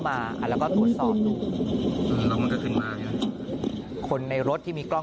มันมีปืนมันมีปืน